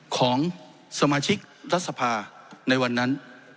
ของสมาชิกรัฐสภาในวันนั้น